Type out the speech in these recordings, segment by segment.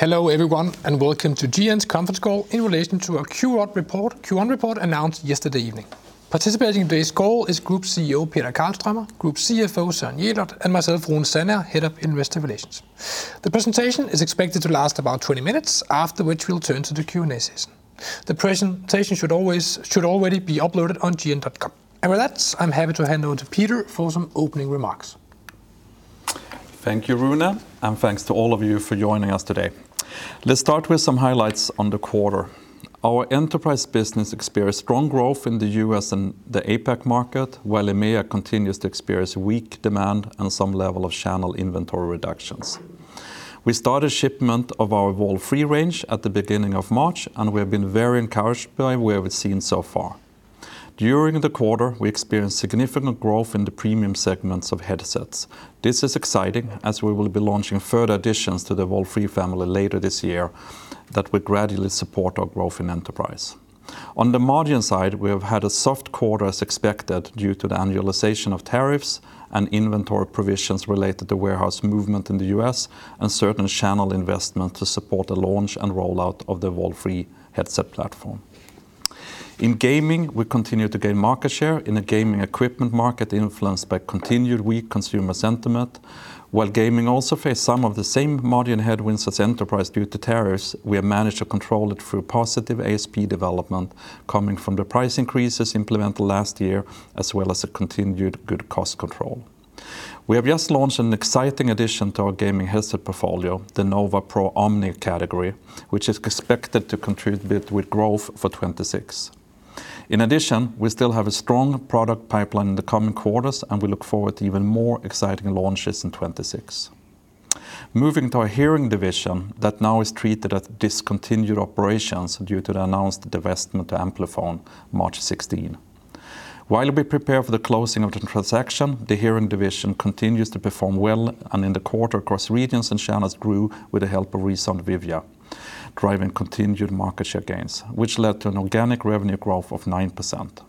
Hello, everyone, and welcome to GN's conference call in relation to our Q1 report, Q1 report announced yesterday evening. Participating in today's call is Group Chief Executive Officer Peter Karlströmer, Group Chief Financial Officer Søren Jelert, and myself, Rune Sandager, Head of Investor Relations. The presentation is expected to last about 20 minutes, after which we'll turn to the Q&A session. The presentation should already be uploaded on gn.com. With that, I'm happy to hand over to Peter for some opening remarks. Thank you, Rune, and thanks to all of you for joining us today. Let's start with some highlights on the quarter. Our enterprise business experienced strong growth in the U.S. and the APAC market, while EMEA continues to experience weak demand and some level of channel inventory reductions. We started shipment of our Evolve3 range at the beginning of March, and we have been very encouraged by what we've seen so far. During the quarter, we experienced significant growth in the premium segments of headsets. This is exciting, as we will be launching further additions to the Evolve3 family later this year that will gradually support our growth in enterprise. On the margin side, we have had a soft quarter as expected due to the annualization of tariffs and inventory provisions related to warehouse movement in the U.S. and certain channel investment to support the launch and rollout of the Evolve3 headset platform. In gaming, we continue to gain market share in the gaming equipment market influenced by continued weak consumer sentiment. While gaming also faced some of the same margin headwinds as enterprise due to tariffs, we have managed to control it through positive ASP development coming from the price increases implemented last year, as well as a continued good cost control. We have just launched an exciting addition to our gaming headset portfolio, the Arctis Nova Pro Omni, which is expected to contribute with growth for 2026. We still have a strong product pipeline in the coming quarters, and we look forward to even more exciting launches in 2026. Moving to our Hearing division, that now is treated as discontinued operations due to the announced divestment to Amplifon, March 16. While we prepare for the closing of the transaction, the Hearing division continues to perform well, and in the quarter, across regions and channels grew with the help of ReSound Vivia, driving continued market share gains, which led to an organic revenue growth of 9%.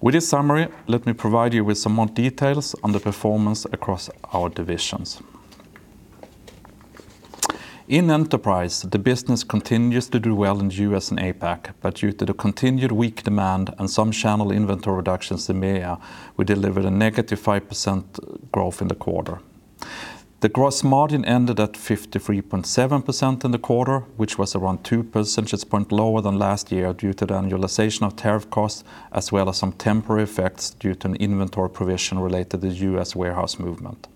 With this summary, let me provide you with some more details on the performance across our divisions. In enterprise, the business continues to do well in U.S. and APAC, due to the continued weak demand and some channel inventory reductions in EMEA, we delivered a negative 5% growth in the quarter. The gross margin ended at 53.7% in the quarter, which was around 2 percentage points lower than last year due to the annualization of tariff costs, as well as some temporary effects due to an inventory provision related to U.S. warehouse movement.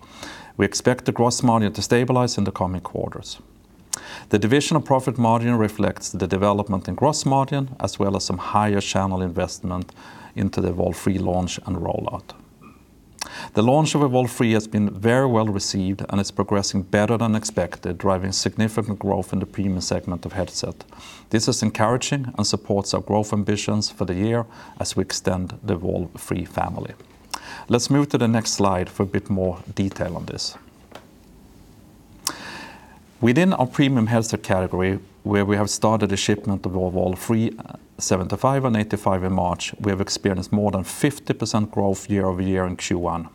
We expect the gross margin to stabilize in the coming quarters. The division of profit margin reflects the development in gross margin, as well as some higher channel investment into the Evolve3 launch and rollout. The launch of Evolve3 has been very well-received, and it's progressing better than expected, driving significant growth in the premium segment of headset. This is encouraging and supports our growth ambitions for the year as we extend the Evolve3 family. Let's move to the next slide for a bit more detail on this. Within our premium headset category, where we have started a shipment of our Evolve3 75 and 85 in March, we have experienced more than 50% growth year-over-year in Q1.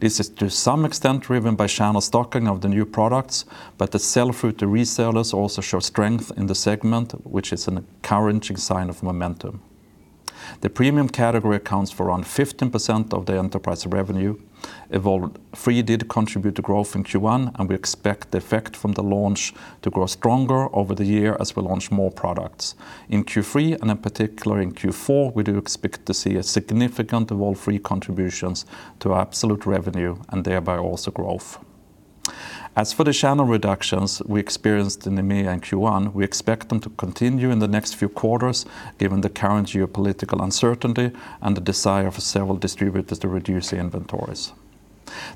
This is to some extent driven by channel stocking of the new products, but the sell-through to resellers also shows strength in the segment, which is an encouraging sign of momentum. The premium category accounts for around 15% of the enterprise revenue. Evolve3 did contribute to growth in Q1, and we expect the effect from the launch to grow stronger over the year as we launch more products. In Q3, and in particular in Q4, we do expect to see a significant Evolve3 contributions to absolute revenue and thereby also growth. As for the channel reductions we experienced in EMEA in Q1, we expect them to continue in the next few quarters given the current geopolitical uncertainty and the desire for several distributors to reduce the inventories.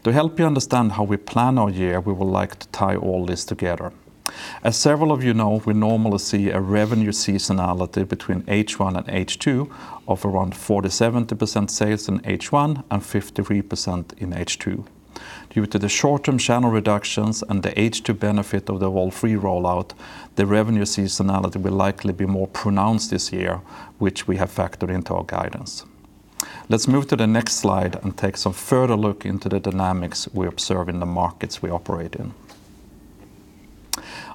To help you understand how we plan our year, we would like to tie all this together. As several of you know, we normally see a revenue seasonality between H1 and H2 of around 47% sales in H1 and 53% in H2. Due to the short-term channel reductions and the H2 benefit of the Evolve3 rollout, the revenue seasonality will likely be more pronounced this year, which we have factored into our guidance. Let's move to the next slide and take some further look into the dynamics we observe in the markets we operate in.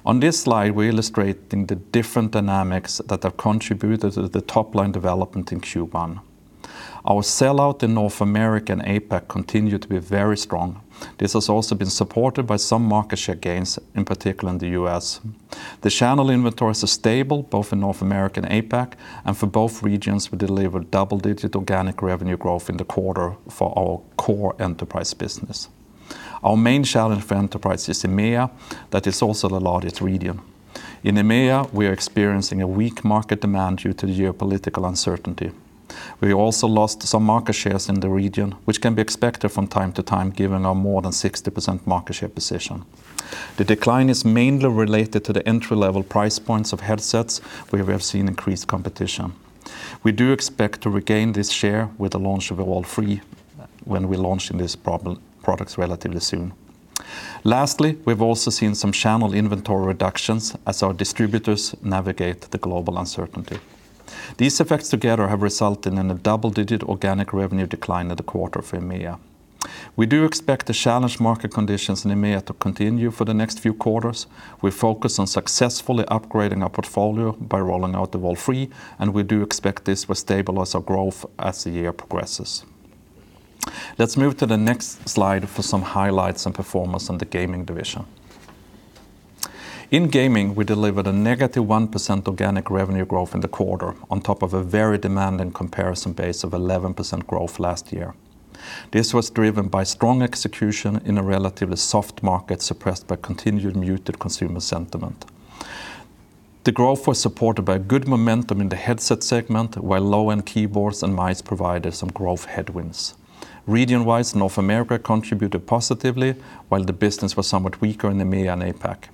On this slide, we're illustrating the different dynamics that have contributed to the top-line development in Q1. Our sell-out in North America and APAC continue to be very strong. This has also been supported by some market share gains, in particular in the U.S. The channel inventories are stable, both in North America and APAC, and for both regions, we delivered double-digit organic revenue growth in the quarter for our core enterprise business. Our main challenge for enterprise is EMEA. That is also the largest region. In EMEA, we are experiencing a weak market demand due to the geopolitical uncertainty. We also lost some market shares in the region, which can be expected from time to time given our more than 60% market share position. The decline is mainly related to the entry-level price points of headsets, where we have seen increased competition. We do expect to regain this share with the launch of ReSound Vivia when we launch these pro-products relatively soon. Lastly, we've also seen some channel inventory reductions as our distributors navigate the global uncertainty. These effects together have resulted in a double-digit organic revenue decline in the quarter for EMEA. We do expect the challenged market conditions in EMEA to continue for the next few quarters. We focus on successfully upgrading our portfolio by rolling out the ReSound Vivia, we do expect this will stabilize our growth as the year progresses. Let's move to the next slide for some highlights and performance on the Gaming division. In gaming, we delivered a -1% organic revenue growth in the quarter, on top of a very demanding comparison base of 11% growth last year. This was driven by strong execution in a relatively soft market, suppressed by continued muted consumer sentiment. The growth was supported by good momentum in the headset segment, while low-end keyboards and mice provided some growth headwinds. Region-wise, North America contributed positively, while the business was somewhat weaker in EMEA and APAC.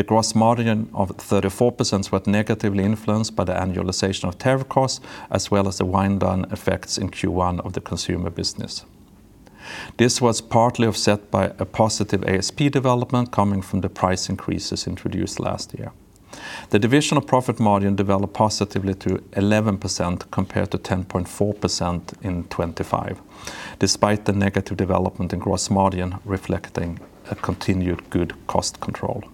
The gross margin of 34% was negatively influenced by the annualization of tariff costs as well as the wind-down effects in Q1 of the consumer business. This was partly offset by a positive ASP development coming from the price increases introduced last year. The division's profit margin developed positively to 11% compared to 10.4% in 2025, despite the negative development in gross margin reflecting a continued good cost control.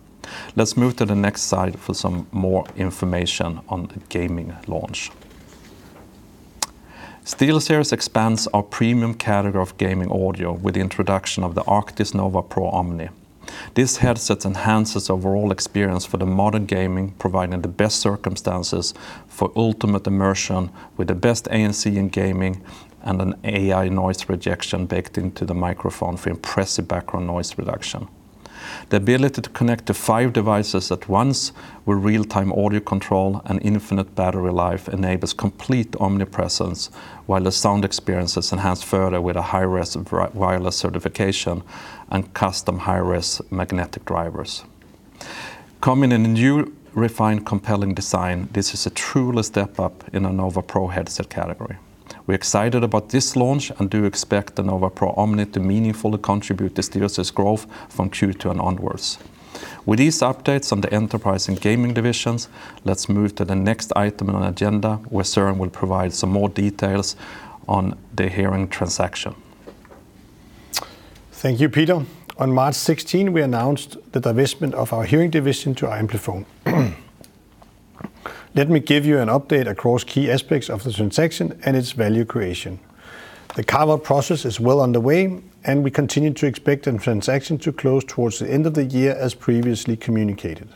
Let's move to the next slide for some more information on the gaming launch. SteelSeries expands our premium category of gaming audio with the introduction of the Arctis Nova Pro Omni. This headset enhances overall experience for the modern gaming, providing the best circumstances for ultimate immersion with the best ANC in gaming and an AI noise rejection baked into the microphone for impressive background noise reduction. The ability to connect to five devices at once with real-time audio control and infinite battery life enables complete omnipresence, while the sound experience is enhanced further with aHi-Res Wireless certification and custom high-res magnetic drivers. Coming in a new refined, compelling design, this is a true step up in a Nova Pro headset category. We're excited about this launch and do expect the Nova Pro Omni to meaningfully contribute to SteelSeries growth from Q2 and onwards. With these updates on the Enterprise and Gaming divisions, let's move to the next item on agenda, where Søren will provide some more details on the hearing transaction. Thank you, Peter. On March 16, we announced the divestment of our Hearing division to Amplifon. Let me give you an update across key aspects of the transaction and its value creation. The carve-out process is well underway, and we continue to expect the transaction to close towards the end of the year, as previously communicated.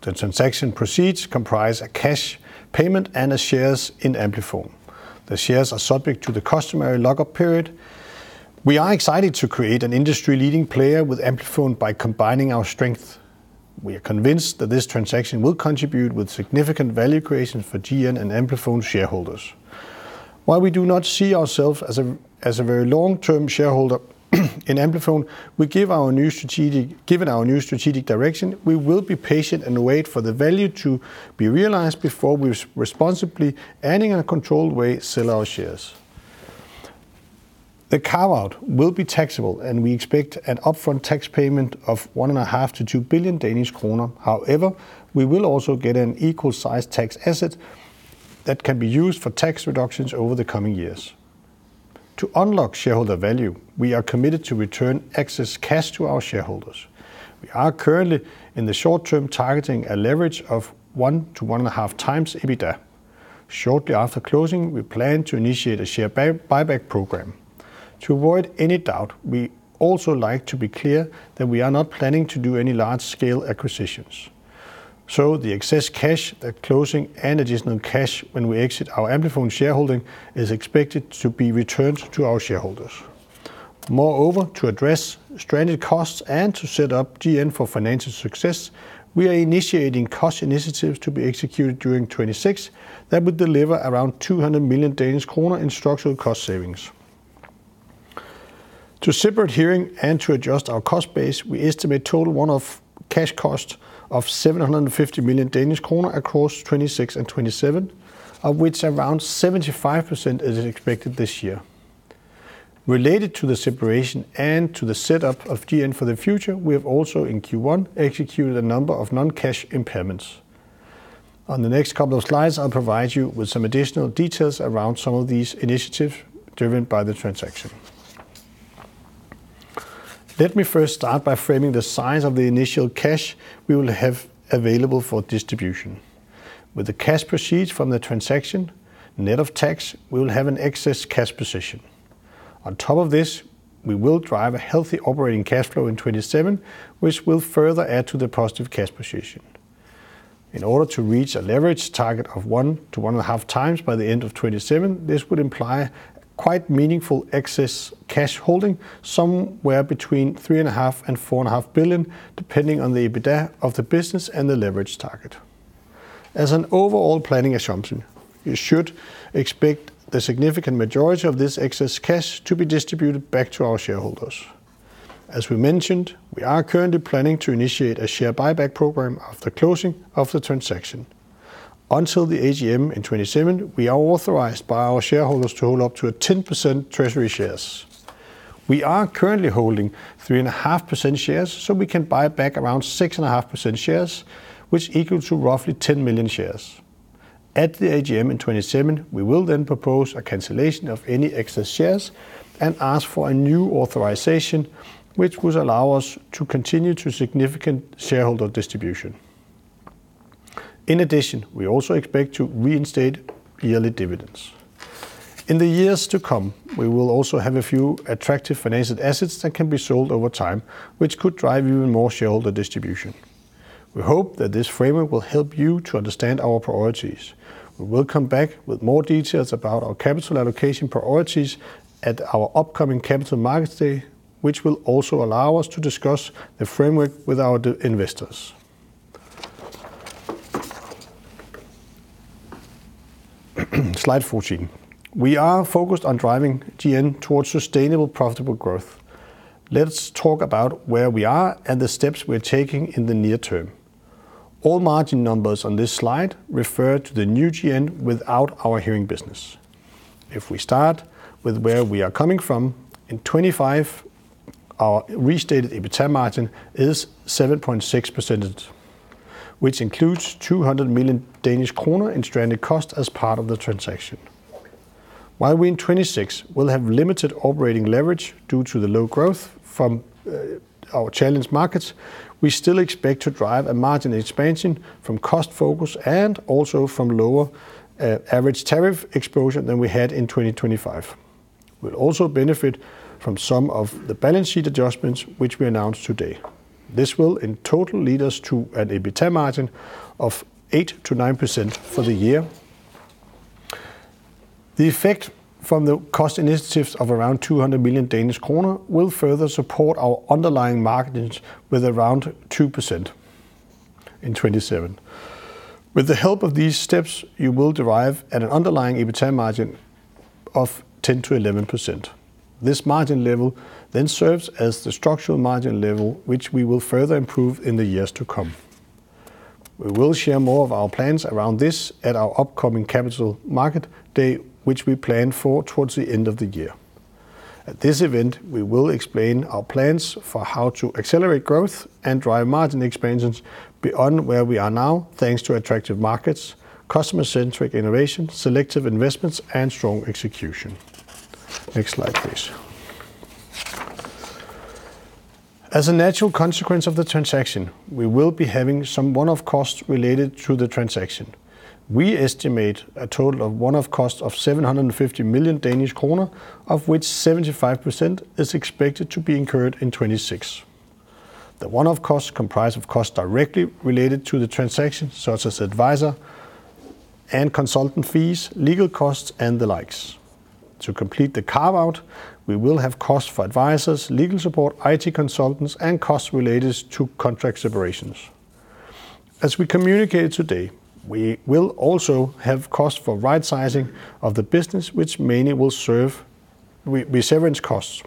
The transaction proceeds comprise a cash payment and a shares in Amplifon. The shares are subject to the customary lock-up period. We are excited to create an industry-leading player with Amplifon by combining our strength. We are convinced that this transaction will contribute with significant value creation for GN and Amplifon shareholders. While we do not see ourselves as a very long-term shareholder in Amplifon, given our new strategic direction, we will be patient and wait for the value to be realized before we responsibly and in a controlled way, sell our shares. The carve-out will be taxable, we expect an upfront tax payment of 1.5 billion-2 billion Danish kroner. We will also get an equal-sized tax asset that can be used for tax reductions over the coming years. To unlock shareholder value, we are committed to return excess cash to our shareholders. We are currently, in the short term, targeting a leverage of 1x-1.5x EBITDA. Shortly after closing, we plan to initiate a share buyback program. To avoid any doubt, we also like to be clear that we are not planning to do any large-scale acquisitions. The excess cash at closing and additional cash when we exit our Amplifon shareholding is expected to be returned to our shareholders. Moreover, to address stranded costs and to set up GN for financial success, we are initiating cost initiatives to be executed during 2026 that would deliver around 200 million Danish kroner in structural cost savings. To separate hearing and to adjust our cost base, we estimate total one-off cash cost of 750 million Danish kroner across 2026 and 2027, of which around 75% is expected this year. Related to the separation and to the setup of GN for the future, we have also in Q1 executed a number of non-cash impairments. On the next couple of slides, I'll provide you with some additional details around some of these initiatives driven by the transaction. Let me first start by framing the size of the initial cash we will have available for distribution. With the cash proceeds from the transaction, net of tax, we will have an excess cash position. On top of this, we will drive a healthy operating cash flow in 2027, which will further add to the positive cash position. In order to reach a leverage target of 1x to 1.5x by the end of 2027, this would imply quite meaningful excess cash holding, somewhere between 3.5 billion-4.5 billion, depending on the EBITDA of the business and the leverage target. As an overall planning assumption, you should expect the significant majority of this excess cash to be distributed back to our shareholders. As we mentioned, we are currently planning to initiate a share buyback program after closing of the transaction. Until the AGM in 2027, we are authorized by our shareholders to hold up to a 10% treasury shares. We are currently holding 3.5% shares, we can buy back around 6.5% shares, which equal to roughly 10 million shares. At the AGM in 2027, we will propose a cancellation of any excess shares and ask for a new authorization, which would allow us to continue to significant shareholder distribution. In addition, we also expect to reinstate yearly dividends. In the years to come, we will also have a few attractive financial assets that can be sold over time, which could drive even more shareholder distribution. We hope that this framework will help you to understand our priorities. We will come back with more details about our capital allocation priorities at our upcoming Capital Markets Day, which will also allow us to discuss the framework with our investors. Slide 14. We are focused on driving GN towards sustainable profitable growth. Let's talk about where we are and the steps we're taking in the near term. All margin numbers on this slide refer to the new GN without our hearing business. In 2025, our restated EBITA margin is 7.6%, which includes 200 million Danish kroner in stranded cost as part of the transaction. While we in 2026 will have limited operating leverage due to the low growth from our challenged markets, we still expect to drive a margin expansion from cost focus and also from lower average tariff exposure than we had in 2025. We'll also benefit from some of the balance sheet adjustments which we announced today. This will in total lead us to an EBITA margin of 8%-9% for the year. The effect from the cost initiatives of around 200 million Danish kroner will further support our underlying margins with around 2% in 2027. With the help of these steps, you will derive at an underlying EBITA margin of 10%-11%. This margin level serves as the structural margin level, which we will further improve in the years to come. We will share more of our plans around this at our upcoming Capital Markets Day, which we plan for towards the end of the year. At this event, we will explain our plans for how to accelerate growth and drive margin expansions beyond where we are now, thanks to attractive markets, customer-centric innovation, selective investments, and strong execution. Next slide, please. As a natural consequence of the transaction, we will be having some one-off costs related to the transaction. We estimate a total of one-off cost of 750 million Danish kroner, of which 75% is expected to be incurred in 2026. The one-off costs comprise of costs directly related to the transaction, such as advisor and consultant fees, legal costs, and the likes. To complete the carve-out, we will have costs for advisors, legal support, IT consultants, and costs related to contract separations. As we communicated today, we will also have costs for rightsizing of the business, which mainly will serve severance costs.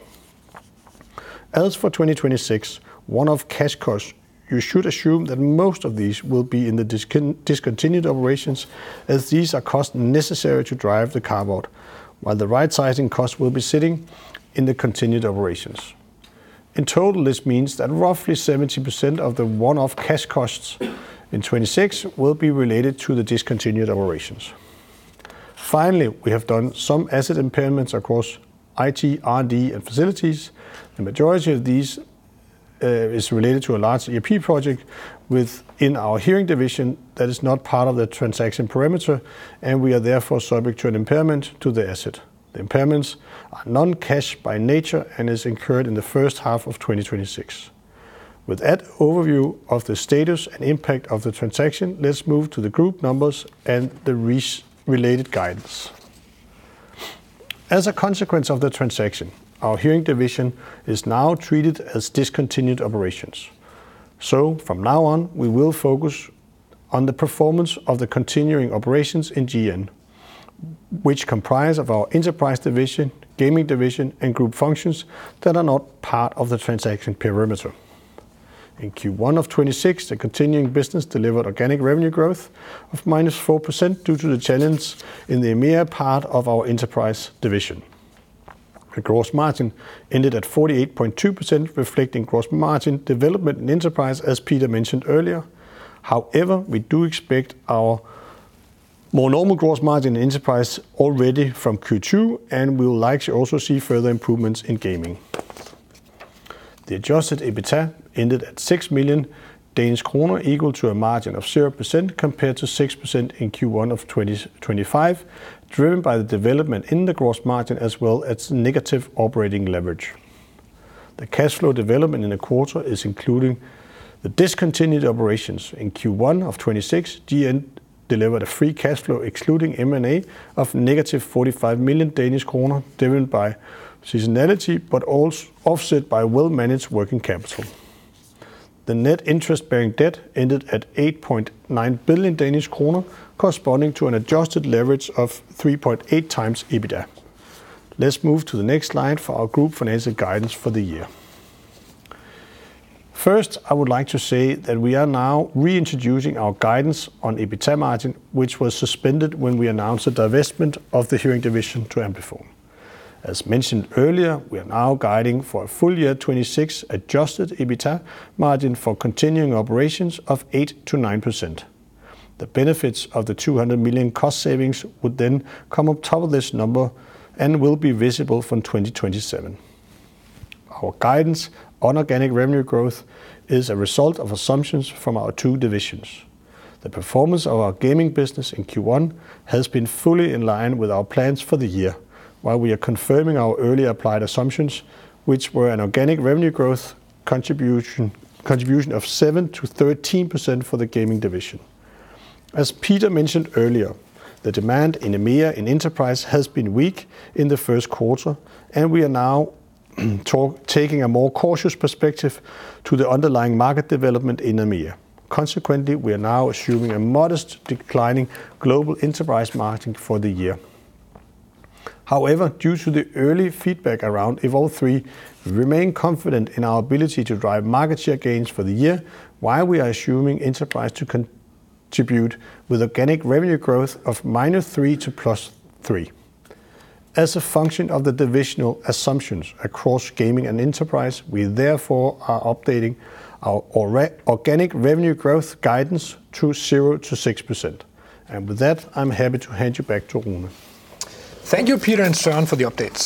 As for 2026, one-off cash costs, you should assume that most of these will be in the discontinued operations, as these are costs necessary to drive the carve-out, while the rightsizing costs will be sitting in the continued operations. In total, this means that roughly 70% of the one-off cash costs in 2026 will be related to the discontinued operations. Finally, we have done some asset impairments across IT, R&D, and facilities. The majority of these is related to a large ERP project within our Hearing division that is not part of the transaction perimeter, and we are therefore subject to an impairment to the asset. The impairments are non-cash by nature and is incurred in the first half of 2026. With that overview of the status and impact of the transaction, let's move to the group numbers and the related guidance. As a consequence of the transaction, our Hearing division is now treated as discontinued operations. From now on, we will focus on the performance of the continuing operations in GN, which comprise of our Enterprise division, Gaming division, and group functions that are not part of the transaction perimeter. In Q1 of 2026, the continuing business delivered organic revenue growth of -4% due to the challenge in the EMEA part of our Enterprise division. The gross margin ended at 48.2%, reflecting gross margin development in enterprise, as Peter mentioned earlier. We do expect our more normal gross margin in enterprise already from Q2, and we will likely also see further improvements in gaming. The adjusted EBITA ended at 6 million Danish kroner, equal to a margin of 0% compared to 6% in Q1 of 2025, driven by the development in the gross margin as well as negative operating leverage. The cash flow development in the quarter is including the discontinued operations. In Q1 of 2026, GN delivered a free cash flow, excluding M&A, of -45 million Danish kroner, driven by seasonality, offset by well-managed working capital. The net interest-bearing debt ended at 8.9 billion Danish kroner, corresponding to an adjusted leverage of 3.8x EBITA. Let's move to the next slide for our group financial guidance for the year. First, I would like to say that we are now reintroducing our guidance on EBITA margin, which was suspended when we announced the divestment of the Hearing division to Amplifon. As mentioned earlier, we are now guiding for a full year 2026 adjusted EBITA margin for continuing operations of 8%-9%. The benefits of the 200 million cost savings would then come on top of this number and will be visible from 2027. Our guidance on organic revenue growth is a result of assumptions from our two divisions. The performance of our gaming business in Q1 has been fully in line with our plans for the year, while we are confirming our earlier applied assumptions, which were an organic revenue growth contribution of 7%-13% for the Gaming division. As Peter mentioned earlier, the demand in EMEA in enterprise has been weak in the first quarter, and we are now taking a more cautious perspective to the underlying market development in EMEA. Consequently, we are now assuming a modest declining global Enterprise margin for the year. However, due to the early feedback around Evolve3, we remain confident in our ability to drive market share gains for the year, while we are assuming Enterprise to contribute with organic revenue growth of -3% to +3%. As a function of the divisional assumptions across Gaming and Enterprise, we therefore are updating our organic revenue growth guidance to 0% to 6%. With that, I am happy to hand you back to Rune. Thank you, Peter and Søren, for the updates.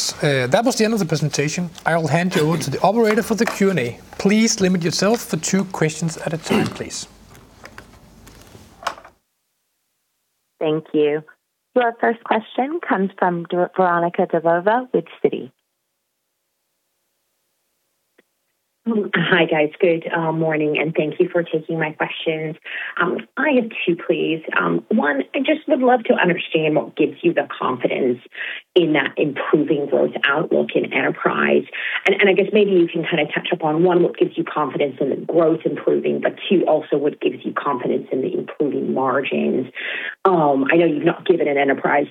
That was the end of the presentation. I will hand you over to the operator for the Q&A. Please limit yourself to two questions at a time please. Thank you. Your first question comes from Veronika Dubajova with Citi. Hi, guys. Good morning, and thank you for taking my questions. I have two, please. One, I just would love to understand what gives you the confidence in that improving growth outlook in enterprise. I guess maybe you can kinda touch upon, one, what gives you confidence in the growth improving, but two, also what gives you confidence in the improving margins. I know you've not given an enterprise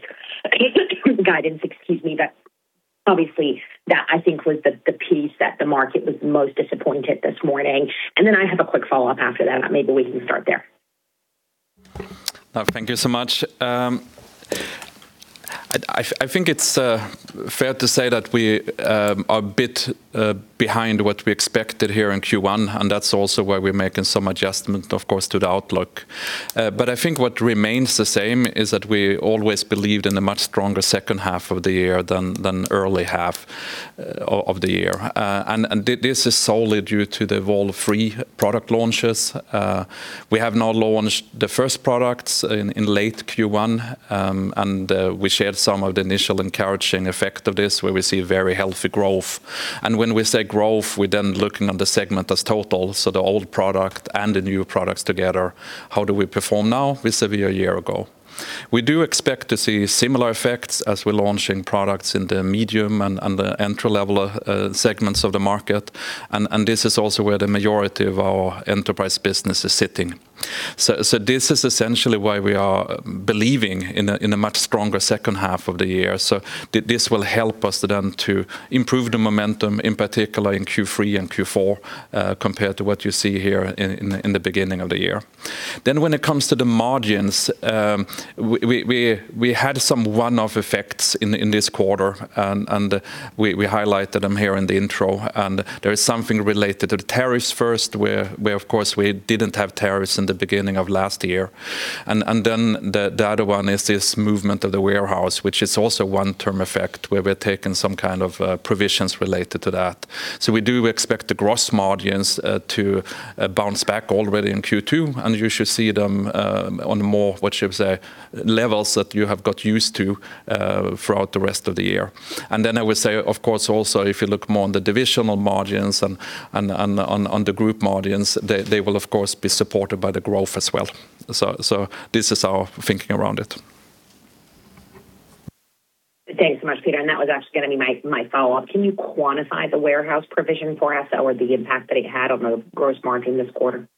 guidance, excuse me, but obviously that I think was the piece that the market was most disappointed this morning. I have a quick follow-up after that. Maybe we can start there. Thank you so much. I think it's fair to say that we are a bit behind what we expected here in Q1, and that's also why we're making some adjustment, of course, to the outlook. I think what remains the same is that we always believed in a much stronger second half of the year than early half of the year. This is solely due to the Evolve3 product launches. We have now launched the first products in late Q1, and we shared some of the initial encouraging effect of this, where we see very healthy growth. When we say growth, we're then looking at the segment as total, so the old product and the new products together. How do we perform now vis-a-vis a year ago? We do expect to see similar effects as we're launching products in the medium and the entry-level segments of the market. This is also where the majority of our enterprise business is sitting. This is essentially why we are believing in a much stronger second half of the year. This will help us then to improve the momentum, in particular in Q3 and Q4, compared to what you see here in the beginning of the year. When it comes to the margins, we had some one-off effects in this quarter. We highlighted them here in the intro. There is something related to tariffs first, where, of course, we didn't have tariffs in the beginning of last year. Then the other one is this movement of the warehouse, which is also one term effect, where we're taking some kind of provisions related to that. We do expect the gross margins to bounce back already in Q2, and you should see them on more, what should I say, levels that you have got used to throughout the rest of the year. Then I would say, of course, also, if you look more on the divisional margins and on the group margins, they will of course be supported by the growth as well. This is our thinking around it. Thanks so much, Peter. That was actually gonna be my follow-up. Can you quantify the warehouse provision for us or the impact that it had on the gross margin this quarter?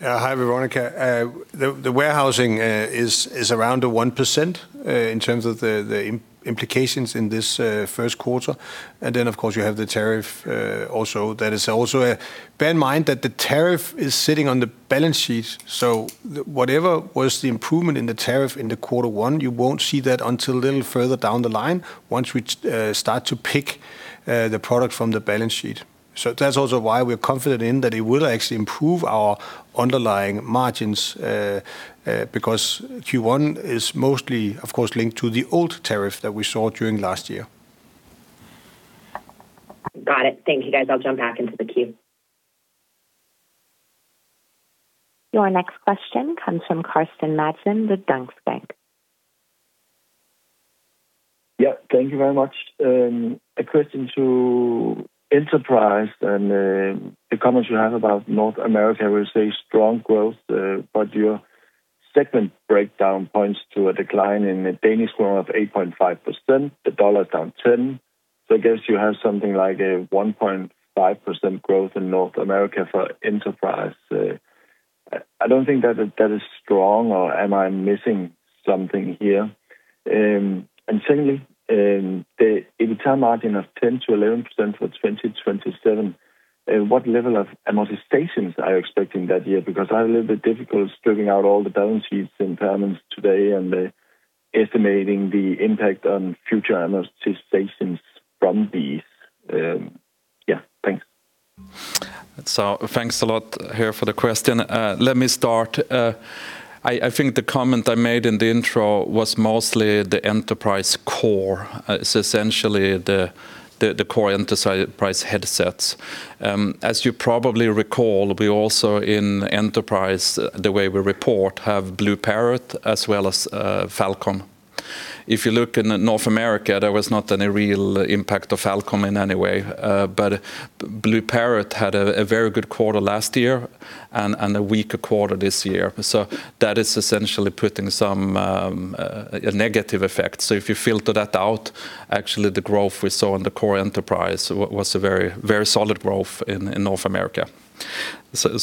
Hi, Veronika. The warehousing is around 1% in terms of the implications in this first quarter. Of course, you have the tariff also. Bear in mind that the tariff is sitting on the balance sheet, so whatever was the improvement in the tariff in the quarter one, you won't see that until a little further down the line, once we start to pick the product from the balance sheet. That's also why we're confident in that it will actually improve our underlying margins because Q1 is mostly, of course linked to the old tariff that we saw during last year. Got it. Thank you, guys. I'll jump back into the queue. Your next question comes from Carsten Madsen with Danske Bank. Yeah. Thank you very much. A question to enterprise and the comments you have about North America, where you say strong growth, but your segment breakdown points to a decline in the Danish krone of 8.5%. The dollar's down 10. I guess you have something like a 1.5% growth in North America for enterprise. I don't think that is strong, or am I missing something here? Secondly, the EBITDA margin of 10%-11% for 2027, what level of amortizations are you expecting that year? Because I have a little bit difficult stripping out all the balance sheets impairments today and estimating the impact on future amortizations from these. Yeah, thanks. Thanks a lot, Carsten, for the question. Let me start. I think the comment I made in the intro was mostly the enterprise core. It's essentially the core enterprise headsets. As you probably recall, we also in enterprise, the way we report, have BlueParrott as well as FalCom. If you look in North America, there was not any real impact of FalCom in any way. BlueParrott had a very good quarter last year and a weaker quarter this year. That is essentially putting some negative effect. If you filter that out, actually the growth we saw in the core enterprise was a very solid growth in North America.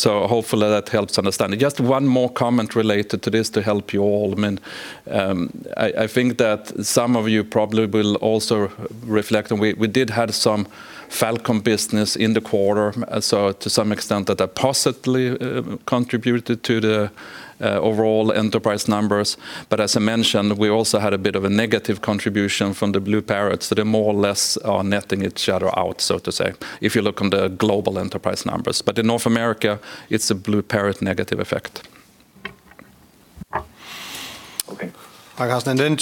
Hopefully that helps understand. Just one more comment related to this to help you all. I mean, I think that some of you probably will also reflect, and we did have some FalCom business in the quarter. To some extent that positively contributed to the overall enterprise numbers. As I mentioned, we also had a bit of a negative contribution from the BlueParrott. They more or less are netting each other out, so to say, if you look on the global enterprise numbers. In North America, it's a BlueParrott negative effect. Okay.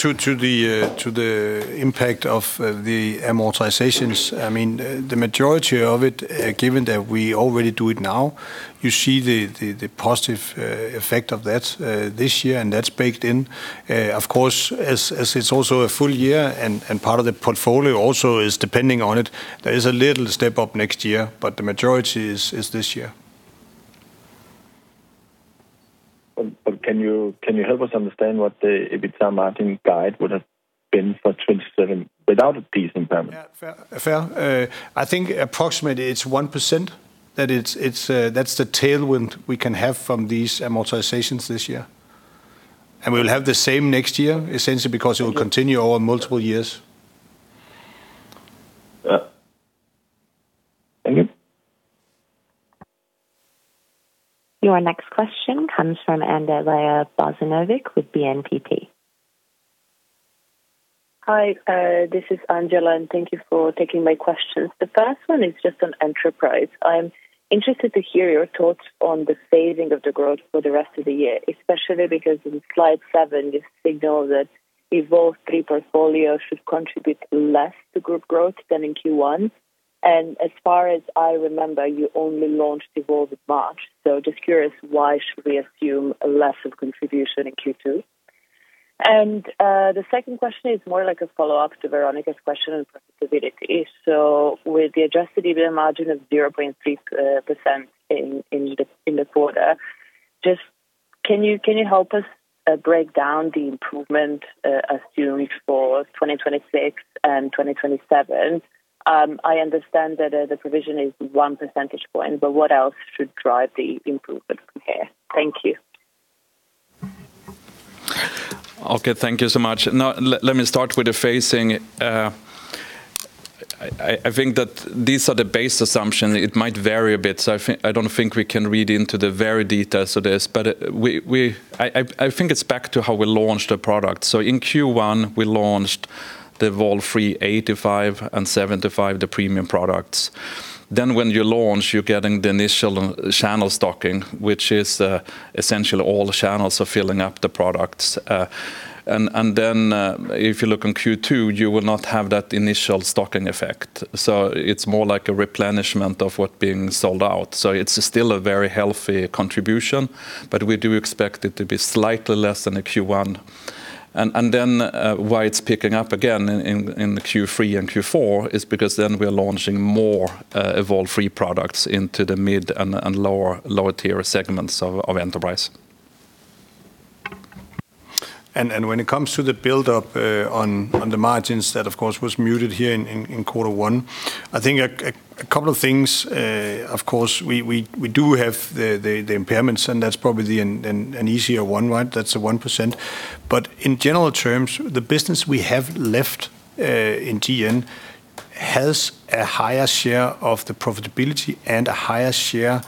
To the impact of the amortizations, I mean, the majority of it, given that we already do it now, you see the positive effect of that this year, and that's baked in. Of course, as it's also a full year and part of the portfolio also is depending on it. There is a little step up next year, but the majority is this year. Can you help us understand what the EBITDA margin guide would have been for 2027 without these impairments? Yeah. Fair. I think approximately it's 1%. It's the tailwind we can have from these amortizations this year. We'll have the same next year, essentially, because it will continue over multiple years. Thank you. Your next question comes from Andjela Bozinovic with BNP Paribas. Hi, this is Andjela, thank you for taking my questions. The first one is just on enterprise. I'm interested to hear your thoughts on the phasing of the growth for the rest of the year, especially because in slide seven, you signal that Evolve3 portfolio should contribute less to group growth than in Q1. As far as I remember, you only launched Evolve3 in March. Just curious, why should we assume less of contribution in Q2? The second question is more like a follow-up to Veronika's question on profitability. With the adjusted EBITA margin of 0.6% in the quarter, just can you help us break down the improvement assuming for 2026 and 2027? I understand that, the provision is 1 percentage point. What else should drive the improvement from here? Thank you. Thank you so much. Let me start with the phasing. I think that these are the base assumption. It might vary a bit. I don't think we can read into the very details of this. I think it's back to how we launched a product. In Q1, we launched the Evolve3 85 and 75, the premium products. When you launch, you're getting the initial channel stocking, which is essentially all the channels are filling up the products. If you look in Q2, you will not have that initial stocking effect. It's more like a replenishment of what being sold out. It's still a very healthy contribution. We do expect it to be slightly less than the Q1. Why it's picking up again in Q3 and Q4 is because then we are launching more Evolve3 products into the mid and lower tier segments of enterprise. When it comes to the buildup on the margins that of course was muted here in Q1, I think a couple of things, of course, we do have the impairments, and that's probably an easier one, right? That's the 1%. In general terms, the business we have left in GN has a higher share of the profitability and a higher share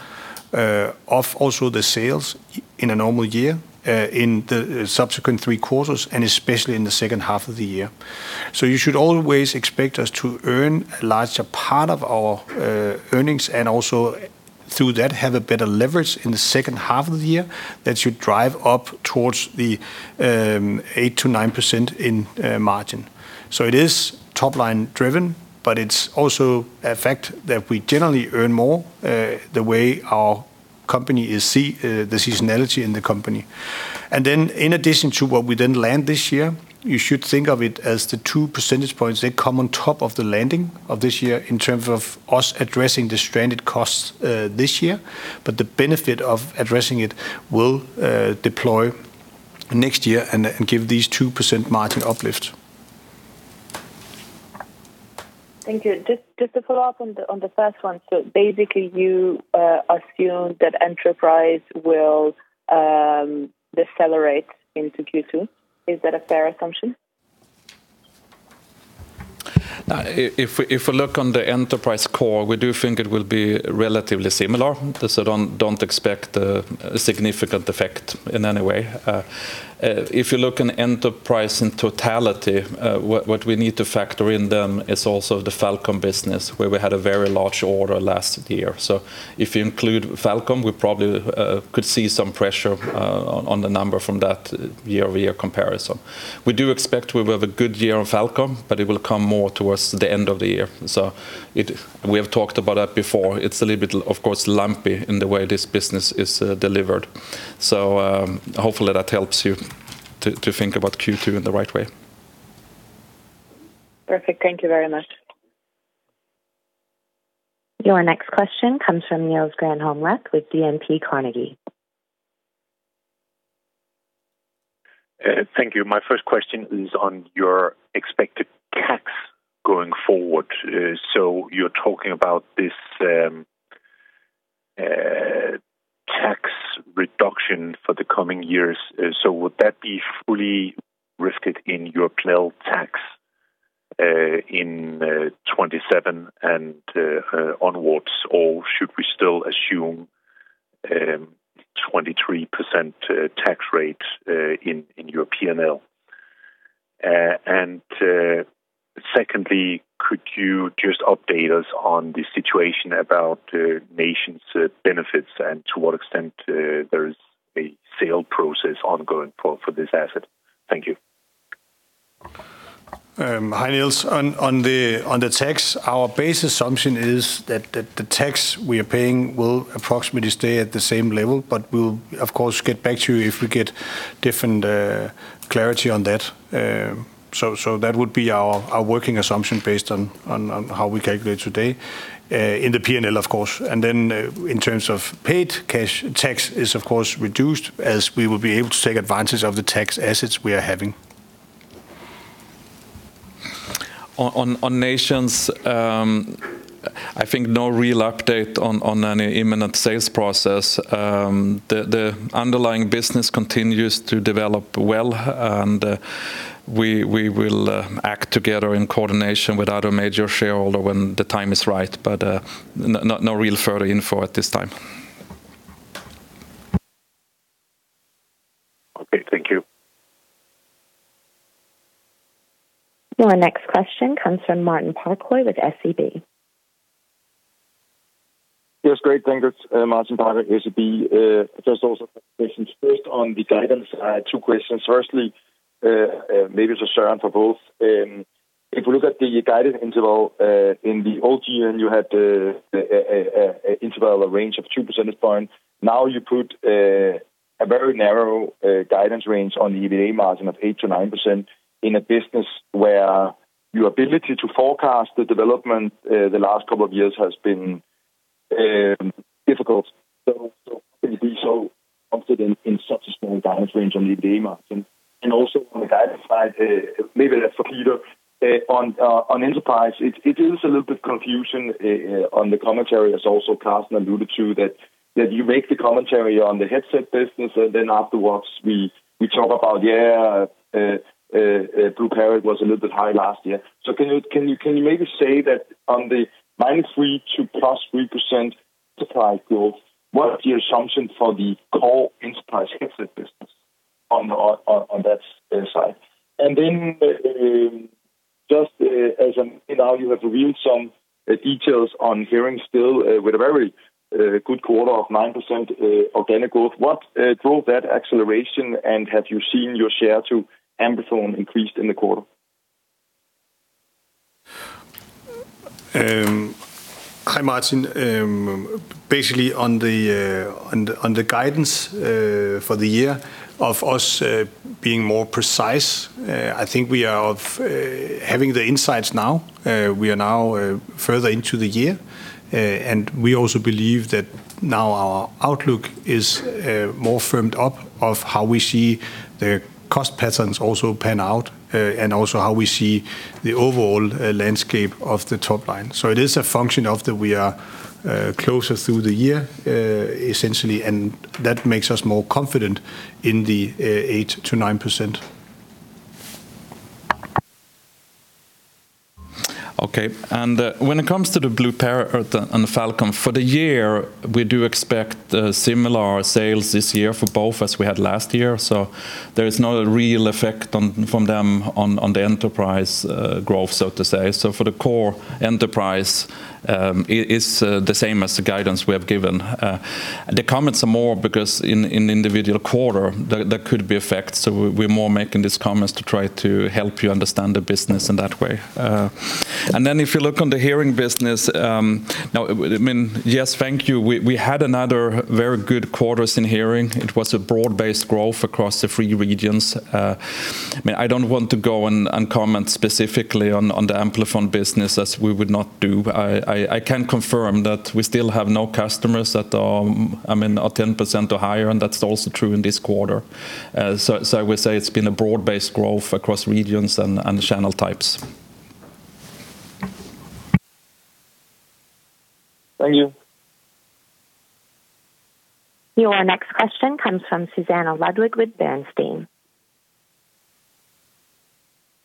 of also the sales in a normal year in the subsequent three quarters, and especially in the second half of the year. You should always expect us to earn a larger part of our earnings and also through that, have a better leverage in the second half of the year that should drive up towards the 8%-9% in margin. It is top line driven, but it's also a fact that we generally earn more, the way our company is the seasonality in the company. In addition to what we didn't land this year, you should think of it as the 2 percentage points that come on top of the landing of this year in terms of us addressing the stranded costs this year. The benefit of addressing it will deploy next year and give these 2% margin uplift. Thank you. Just to follow up on the first one. Basically you assume that enterprise will decelerate into Q2. Is that a fair assumption? If we look on the enterprise core, we do think it will be relatively similar. Don't expect a significant effect in any way. If you look in enterprise in totality, what we need to factor in then is also the FalCom business, where we had a very large order last year. If you include FalCom, we probably could see some pressure on the number from that year-over-year comparison. We do expect we will have a good year on FalCom, but it will come more towards the end of the year. We have talked about that before. It's a little bit, of course, lumpy in the way this business is delivered. Hopefully that helps you to think about Q2 in the right way. Perfect. Thank you very much. Your next question comes from Niels Granholm-Leth with Carnegie. Thank you. My first question is on your expected tax going forward. You're talking about this tax reduction for the coming years. Would that be fully risked in your P&L tax in 27 and onwards, or should we still assume 23% tax rate in your P&L? Secondly, could you just update us on the situation about NationsBenefits and to what extent there is a sale process ongoing for this asset? Thank you. Hi, Niels. On the tax, our base assumption is that the tax we are paying will approximately stay at the same level, but we'll of course get back to you if we get different clarity on that. That would be our working assumption based on how we calculate today in the P&L of course. In terms of paid cash, tax is of course reduced as we will be able to take advantage of the tax assets we are having. On NationsBenefits, I think no real update on any imminent sales process. The underlying business continues to develop well, and we will act together in coordination with our major shareholder when the time is right, but no real further info at this time. Okay, thank you. Your next question comes from Martin Parkhøi with SEB. Yes, great. Thank you. Martin Parkhøi, SEB. Just also some questions. First on the guidance, I had two questions. Firstly, maybe it's a question for both. If you look at the guidance interval, in the old year, and you had a interval range of 2 percentage points. Now you put a very narrow guidance range on the EBITDA margin of 8%-9% in a business where your ability to forecast the development the last couple of years has been difficult. Can you be so confident in such a small guidance range on the EBITDA margin? On the guidance side, maybe that's for Peter, on enterprise, it is a little bit confusion on the commentary, as also Carsten alluded to, that you make the commentary on the headset business, and then afterwards we talk about BlueParrott was a little bit high last year. Can you maybe say that on the -3% to +3% supply growth, what is the assumption for the core enterprise headset business on that side? Now you have revealed some details on hearing still, with a very good quarter of 9% organic growth. What drove that acceleration, and have you seen your share to Amplifon increased in the quarter? Hi, Martin. Basically on the guidance for the year of us being more precise, I think we are having the insights now. We are now further into the year. And we also believe that now our outlook is more firmed up of how we see the cost patterns also pan out, and also how we see the overall landscape of the top line. It is a function of that we are closer through the year, essentially, and that makes us more confident in the 8%-9%. Okay. When it comes to the BlueParrott and FalCom, for the year, we do expect similar sales this year for both as we had last year. There is not a real effect on, from them on the enterprise growth, so to say. For the core enterprise, it's the same as the guidance we have given. The comments are more because in individual quarter there could be effects, so we're more making these comments to try to help you understand the business in that way. If you look on the hearing business, I mean, yes, thank you. We had another very good quarters in hearing. It was a broad-based growth across the 3 regions. I mean, I don't want to go and comment specifically on the Amplifon business as we would not do. I can confirm that we still have no customers that are, I mean, are 10% or higher, and that's also true in this quarter. I would say it's been a broad-based growth across regions and channel types. Thank you. Your next question comes from Susannah Ludwig with Bernstein.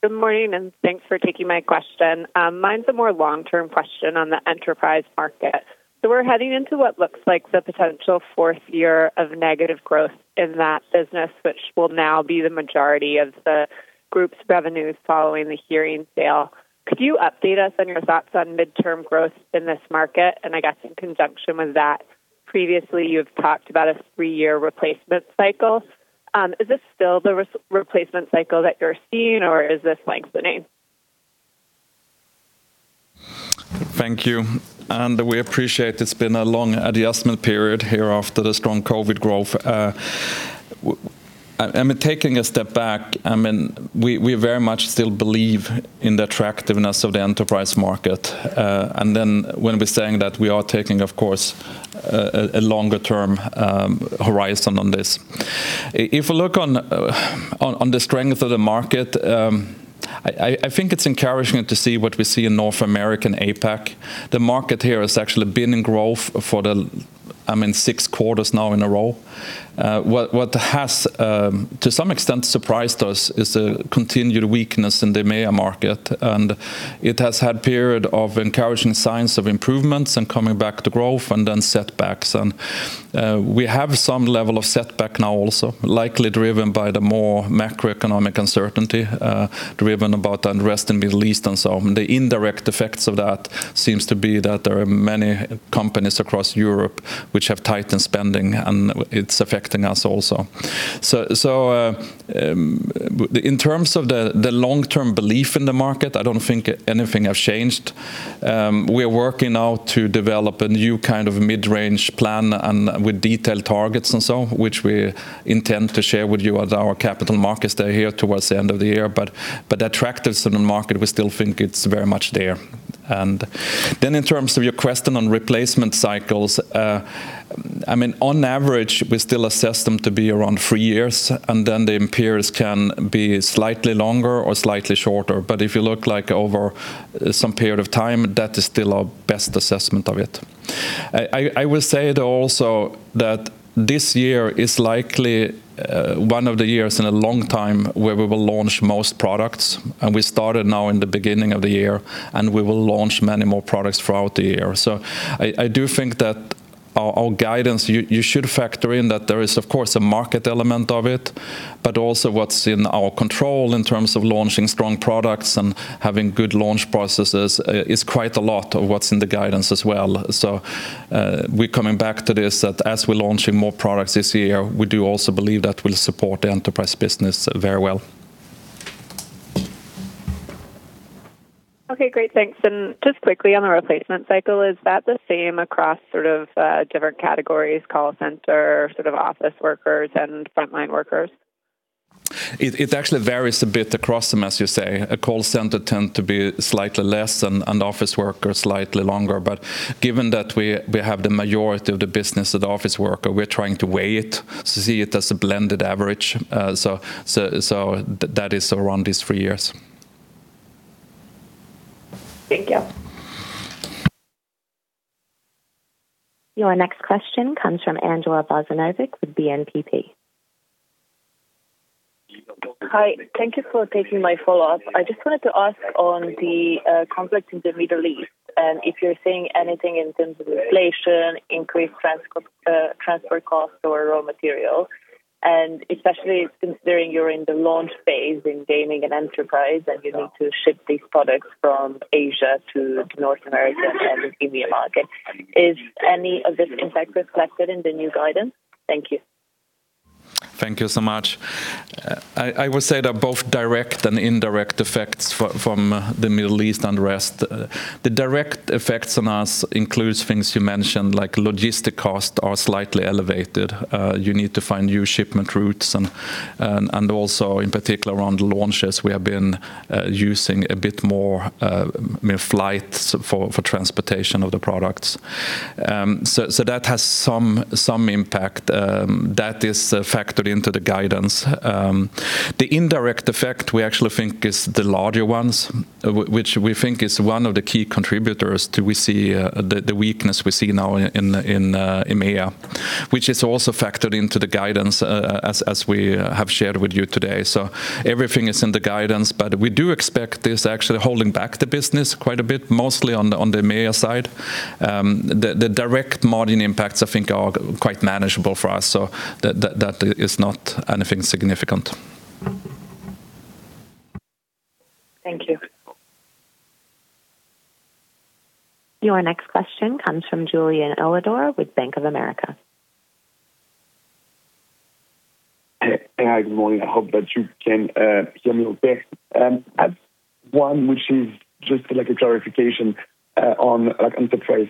Good morning, and thanks for taking my question. Mine's a more long-term question on the enterprise market. We're heading into what looks like the potential fourth year of negative growth in that business, which will now be the majority of the group's revenues following the hearing sale. Could you update us on your thoughts on midterm growth in this market? I guess in conjunction with that, previously, you've talked about a three year replacement cycle. Is this still the replacement cycle that you're seeing or is this lengthening? Thank you. We appreciate it's been a long adjustment period here after the strong COVID growth. I mean, taking a step back, I mean, we very much still believe in the attractiveness of the enterprise market. When we're saying that we are taking, of course, a longer term horizon on this. If you look on the strength of the market, I think it's encouraging to see what we see in North America APAC. The market here has actually been in growth for the, I mean, six quarters now in a row. What has to some extent surprised us is the continued weakness in the EMEA market, and it has had period of encouraging signs of improvements and coming back to growth and then setbacks. We have some level of setback now also, likely driven by the more macroeconomic uncertainty, driven about the unrest in Middle East and so on. The indirect effects of that seems to be that there are many companies across Europe which have tightened spending, and it's affecting us also. In terms of the long-term belief in the market, I don't think anything has changed. We are working now to develop a new kind of mid-range plan and with detailed targets and so on, which we intend to share with you at our Capital Markets Day here towards the end of the year. The attractiveness in the market, we still think it's very much there. In terms of your question on replacement cycles, I mean, on average, we still assess them to be around three years, and then the amplifiers can be slightly longer or slightly shorter. If you look like over some period of time, that is still our best assessment of it. I will say it also that this year is likely one of the years in a long time where we will launch most products. We started now in the beginning of the year, and we will launch many more products throughout the year. I do think that our guidance, you should factor in that there is, of course, a market element of it, but also what's in our control in terms of launching strong products and having good launch processes, is quite a lot of what's in the guidance as well. We're coming back to this, that as we're launching more products this year, we do also believe that will support the enterprise business very well. Okay, great. Thanks. Just quickly on the replacement cycle, is that the same across sort of different categories, call center, office workers and frontline workers? It actually varies a bit across them, as you say. A call center tend to be slightly less and office worker slightly longer. Given that we have the majority of the business at office worker, we're trying to weigh it to see it as a blended average. That is around these three years. Thank you. Your next question comes from Andjela Bozinovic with BNP. Hi. Thank you for taking my follow-up. I just wanted to ask on the conflict in the Middle East and if you're seeing anything in terms of inflation, increased transport costs or raw material, and especially considering you're in the launch phase in gaming and enterprise, and you need to ship these products from Asia to North America and the EMEA market. Is any of this impact reflected in the new guidance? Thank you. Thank you so much. I would say that both direct and indirect effects from the Middle East unrest. The direct effects on us includes things you mentioned, like logistic costs are slightly elevated. You need to find new shipment routes and also in particular around launches, we have been using a bit more flights for transportation of the products. That has some impact that is factored into the guidance. The indirect effect we actually think is the larger ones, which we think is one of the key contributors to we see the weakness we see now in EMEA, which is also factored into the guidance as we have shared with you today. Everything is in the guidance, we do expect this actually holding back the business quite a bit, mostly on the EMEA side. The direct margin impacts I think are quite manageable for us. That is not anything significant. Thank you. Your next question comes from Julien Ouaddour with Bank of America. Hey. Hi, good morning. I hope that you can hear me okay. I have one which is just like a clarification on like enterprise.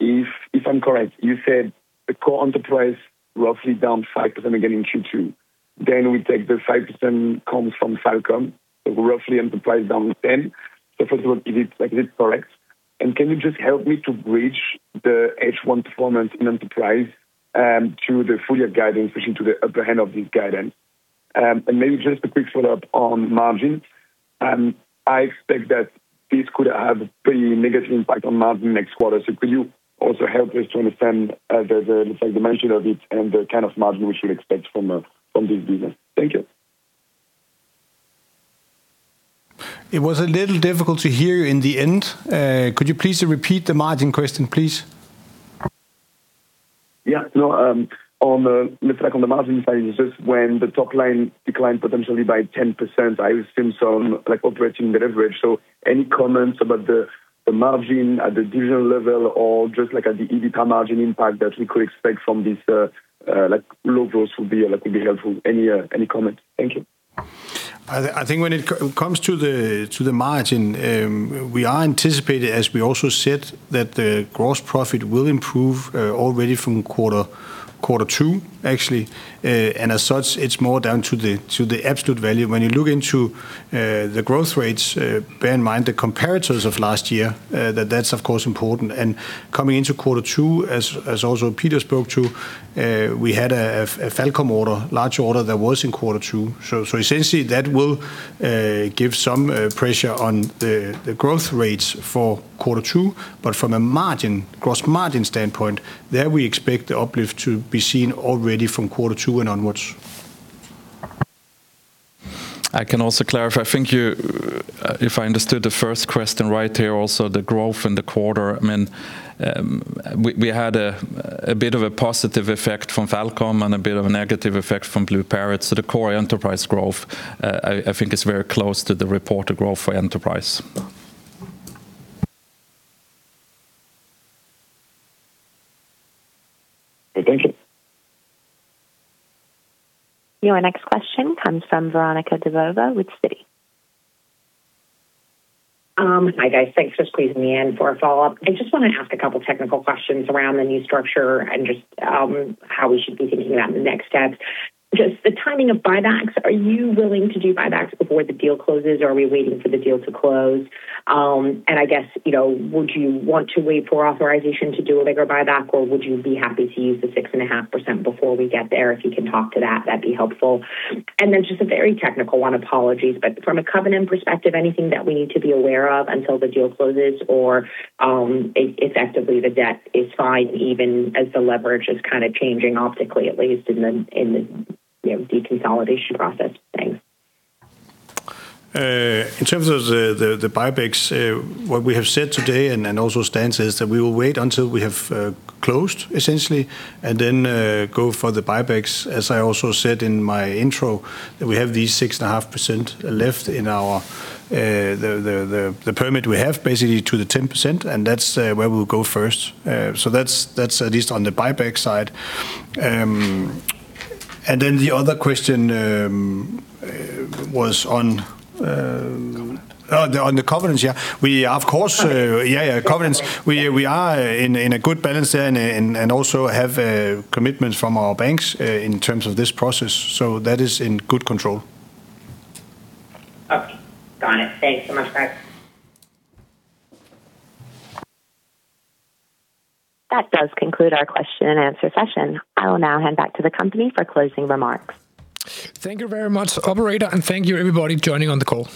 If I'm correct, you said the core enterprise roughly down 5% again in Q2. We take the 5% comes from FalCom, so roughly enterprise down 10. First of all, is it like correct? Can you just help me to bridge the H1 performance in enterprise to the full year guidance, especially to the upper end of this guidance? Maybe just a quick follow-up on margin. I expect that this could have pretty negative impact on margin next quarter. Could you also help us to understand the like dimension of it and the kind of margin we should expect from this business? Thank you. It was a little difficult to hear you in the end. Could you please repeat the margin question, please? Yeah. No, on the just like on the margin side, when the top line declined potentially by 10%, I assume some, like, operating leverage. Any comments about the margin at the division level or just, like, at the EBITDA margin impact that we could expect from this, like, losses would be helpful. Any comment? Thank you. I think when it comes to the margin, we are anticipating, as we also said, that the gross profit will improve already from quarter two, actually. As such, it's more down to the absolute value. When you look into the growth rates, bear in mind the comparators of last year, that that's of course important. Coming into quarter two, as also Peter spoke to, we had a FalCom order, large order that was in quarter two. Essentially that will give some pressure on the growth rates for quarter two. From a margin, gross margin standpoint, there we expect the uplift to be seen already from quarter two and onwards. I can also clarify. I think you, if I understood the first question right here also, the growth in the quarter, I mean, we had a bit of a positive effect from FalCom and a bit of a negative effect from BlueParrott. The core enterprise growth, I think is very close to the reported growth for enterprise. Okay, thank you. Your next question comes from Veronika Dubajova with Citi. Hi guys. Thanks for squeezing me in for a follow-up. I just wanna ask a couple technical questions around the new structure and just how we should be thinking about the next steps. Just the timing of buybacks, are you willing to do buybacks before the deal closes, or are we waiting for the deal to close? I guess, you know, would you want to wait for authorization to do a bigger buyback, or would you be happy to use the 6.5% before we get there? If you can talk to that'd be helpful. Just a very technical one, apologies, but from a covenant perspective, anything that we need to be aware of until the deal closes, or, effectively the debt is fine even as the leverage is kinda changing optically, at least in the, you know, deconsolidation process? Thanks. In terms of the buybacks, what we have said today and also stands is that we will wait until we have closed essentially, and then go for the buybacks. As I also said in my intro, that we have these six and a half percent left in our permit we have basically to the 10%, and that's where we'll go first. That's at least on the buyback side. The other question was on. Covenant. On the covenants, yeah. We of course, covenants. We are in a good balance there and also have commitments from our banks in terms of this process. That is in good control. Okay. Got it. Thanks so much, guys. That does conclude our question and answer session. I will now hand back to the company for closing remarks. Thank you very much, operator, and thank you everybody joining on the call.